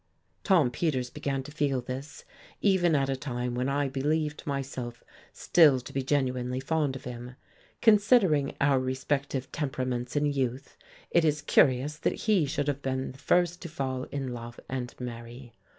Tom Peters began to feel this, even at a time when I believed myself still to be genuinely fond of him. Considering our respective temperaments in youth, it is curious that he should have been the first to fall in love and marry.